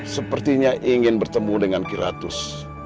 sepertinya ingin bertemu dengan kiratus